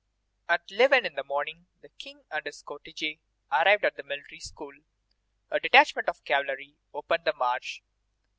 At eleven in the morning the King and his cortège arrived at the Military School. A detachment of cavalry opened the march.